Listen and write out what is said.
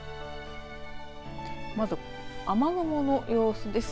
まず雨雲の様子です。